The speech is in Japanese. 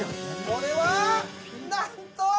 これはなんと。